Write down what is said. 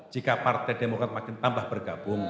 jika partai demokrat makin tambah bergabung